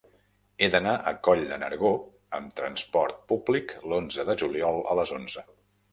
He d'anar a Coll de Nargó amb trasport públic l'onze de juliol a les onze.